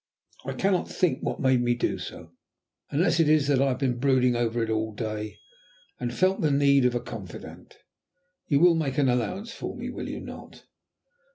I cannot think what made me do so, unless it is that I have been brooding over it all day, and felt the need of a confidant. You will make an allowance for me, will you not?"